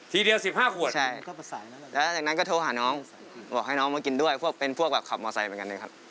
ทีเดียว๑๕ขวดแล้วจากนั้นก็โทรหาน้องบอกให้น้องมากินด้วยเป็นพวกขับมอเซย์เหมือนกันเลยครับ